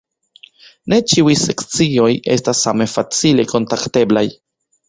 Ne ĉiuj sekcioj estas same facile kontakteblaj.